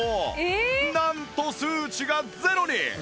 なんと数値がゼロに！